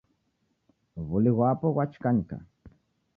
W'uli ghwapo ghwachikanyika.